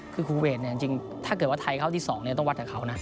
คือคูเวทจริงถ้าเกิดว่าไทยเข้าที่๒ต้องวัดกับเขานะ